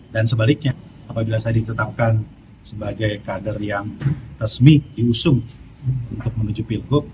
dan sebaliknya apabila saya ditetapkan sebagai kader yang resmi diusung untuk menuju pilguk